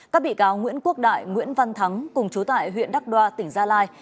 các bị cáo nguyễn quốc đại nguyễn văn thắng cùng chú tại huyện đắk đoa tỉnh gia lai